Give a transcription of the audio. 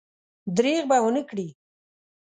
درېغ به ونه کړي.